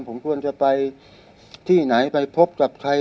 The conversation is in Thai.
ผมควรจะไปที่ไหนไปพบกับใคร